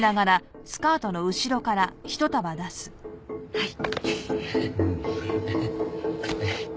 はい。